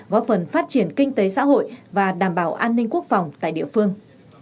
góp phần phát triển kinh tế xã hội và đảm bảo an ninh quốc phòng tại địa phương